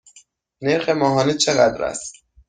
نرخ ماهانه چقدر است؟